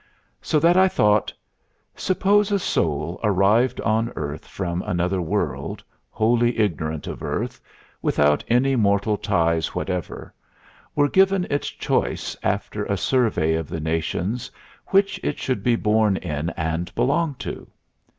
So that I thought: Suppose a soul, arrived on earth from another world, wholly ignorant of earth, without any mortal ties whatever, were given its choice after a survey of the nations, which it should be born in and belong to?